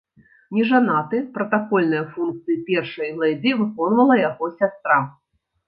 Нежанаты, пратакольныя функцыі першай лэдзі выконвала яго сястра.